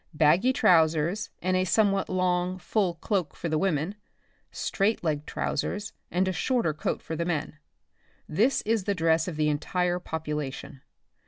Baggy trowsers and a somewhat long, full cloak for the women — straight legged trowsers and a shorter coat for the men, this is the dress of the entire population.